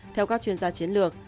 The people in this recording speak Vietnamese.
theo các chuyên gia chiến lược